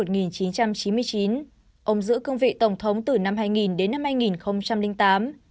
ông giữ cương vị tổng thống từ năm hai nghìn đến năm hai nghìn tám